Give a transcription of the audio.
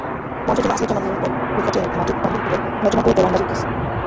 মঞ্চের জন্য আসাদুজ্জামান নূর ব্রেখটের নাটক রূপান্তর করে রচনা করে দেওয়ান গাজীর কিসসা।